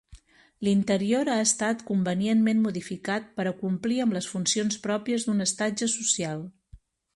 L'interior ha estat convenientment modificat per a complir amb les funcions pròpies d'un estatge social.